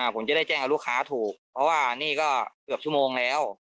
ผมจะได้แจ้งกับลูกค้าถูกเพราะว่านี่ก็เกือบชั่วโมงแล้ว